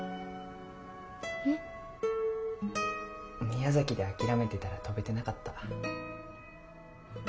・宮崎で諦めてたら飛べてなかった。